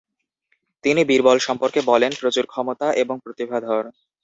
তিনি বীরবল সম্পর্কে বলেন, "প্রচুর ক্ষমতা এবং প্রতিভাধর"।